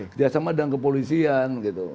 kerja sama dengan kepolisian gitu